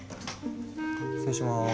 失礼します。